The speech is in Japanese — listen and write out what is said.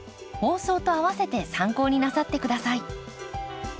放送とあわせて参考になさって下さい。